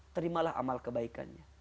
terimalah amal kebaikannya